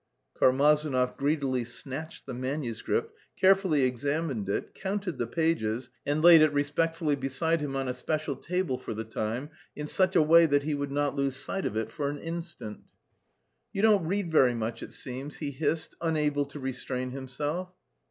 Karmazinov greedily snatched the manuscript, carefully examined it, counted the pages, and laid it respectfully beside him on a special table, for the time, in such a way that he would not lose sight of it for an instant. "You don't read very much, it seems?" he hissed, unable to restrain himself.